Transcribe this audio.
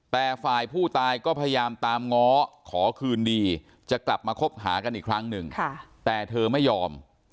แต่ฝ่ายผู้ตายก็พยายามตามง้อขอคืนดีจะกลับมาคบหากันอีกครั้งหนึ่งแต่เธอไม่ยอม